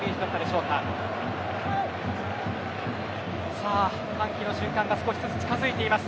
さあ、歓喜の瞬間が少しずつ近づいています。